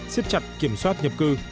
xếp chặt kiểm soát nhập cư